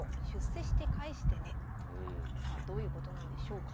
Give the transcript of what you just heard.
さあどういうことなんでしょうか。